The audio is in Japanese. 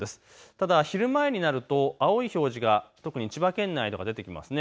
ただ昼前になると青い表示が特に千葉県内出てきますね。